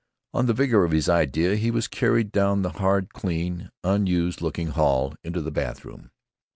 On the vigor of his idea he was carried down the hard, clean, unused looking hall into the bathroom.